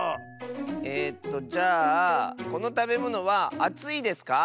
えっとじゃあこのたべものはあついですか？